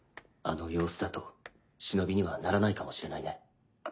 あの様子だと忍にはならないかもしれないね。